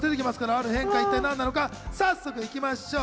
ある変化一体何なのか早速行きましょうか。